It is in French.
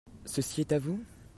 Ceci est à vous ?